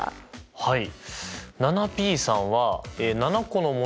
はい。